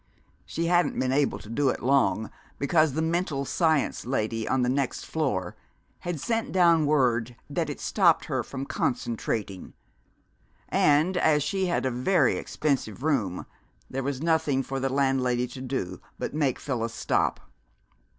(She hadn't been able to do it long, because the Mental Science Lady on the next floor had sent down word that it stopped her from concentrating, and as she had a very expensive room there was nothing for the landlady to do but make Phyllis stop.)